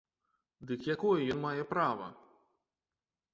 Дык якое ён мае права?